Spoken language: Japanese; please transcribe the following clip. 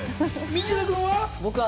道枝君は？